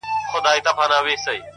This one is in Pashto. نیک عمل تر شهرت اوږد عمر لري’